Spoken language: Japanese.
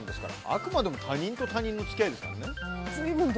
あくまでも他人と他人の付き合いですからね。